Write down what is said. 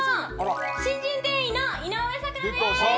新人店員の井上咲楽です！